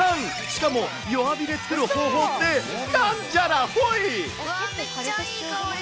しかも弱火で作る方法って、なんじゃらほい。